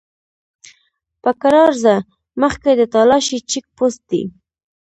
په کرار ځه! مخکې د تالاشی چيک پوسټ دی!